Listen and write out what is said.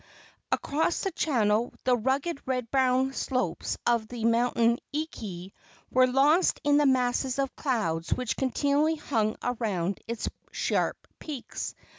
Across the channel the rugged red brown slopes of the mountain Eeke were lost in the masses of clouds which continually hung around its sharp peaks.